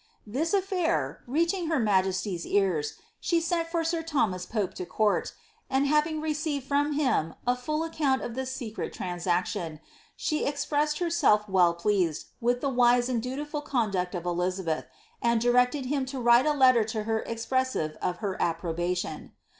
'' This affiur reaching her majesty's ears, she sent for sir Thomas Pope to court, and having received from him a full account of this secret transaction, she expressed herself well pleased with the wise and dutiful conduct of Elizabeth, and directed him to write a letter to her expressive of her approbation.